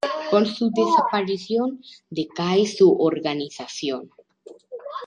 Con su desaparición decae su organización.